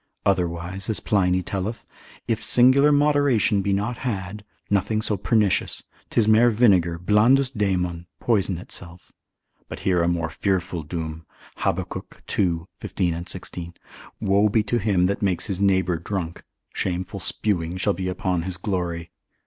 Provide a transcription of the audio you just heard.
Otherwise, as Pliny telleth us; if singular moderation be not had, nothing so pernicious, 'tis mere vinegar, blandus daemon, poison itself. But hear a more fearful doom, Habac. ii. 15. and 16. Woe be to him that makes his neighbour drunk, shameful spewing shall be upon his glory.